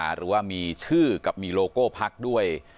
หรือว่ามีชื่อกับมีโลโก้พักด้วย